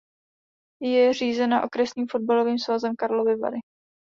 Je řízena Okresním fotbalovým svazem Karlovy Vary.